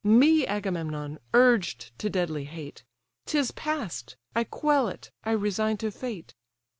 Me Agamemnon urged to deadly hate; 'Tis past—I quell it; I resign to fate.